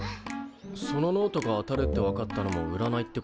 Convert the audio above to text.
そのノートが当たるってわかったのもうらないってこと？